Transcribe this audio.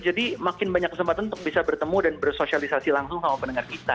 jadi makin banyak kesempatan untuk bisa bertemu dan bersosialisasi langsung sama pendengar kita